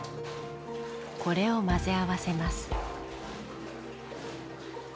これを混ぜ合わせます。